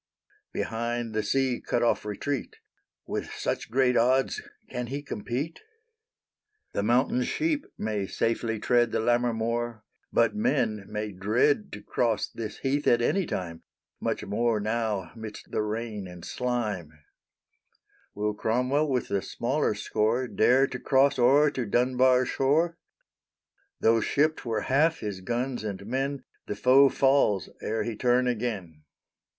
Behind the sea cut off retreat; With such great odds can he compete? The mountain sheep may safely tread The Lammermoor, but men may dread To cross this heath at any time; Much more now, midst the rain and slime, Will Cromwell with the smaller score Dare to cross o'er to Dunbar shore? Tho' shipped were half his guns and men The foe falls ere he turn again.